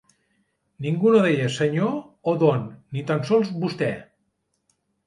Ningú no deia «senyor» o «don», i ni tan sols «vostè»